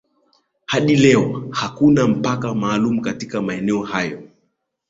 hadi leo hakuna mpaka maalum katika maeneo hayo